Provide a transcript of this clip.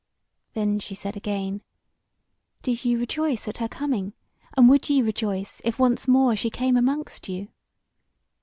Then she said again: "Did ye rejoice at her coming, and would ye rejoice if once more she came amongst you?"